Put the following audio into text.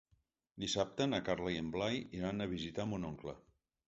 Dissabte na Carla i en Blai iran a visitar mon oncle.